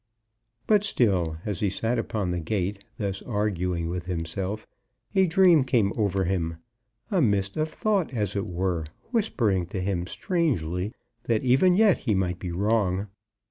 But still as he sat upon the gate, thus arguing with himself, a dream came over him, a mist of thought as it were, whispering to him strangely that even yet he might be wrong.